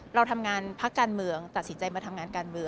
เราทำงานพักการเมืองตัดสินใจมาทำงานการเมือง